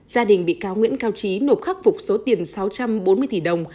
gia đình bị cáo nguyễn cao trí nộp khắc phục số tiền sáu trăm bốn mươi tỷ đồng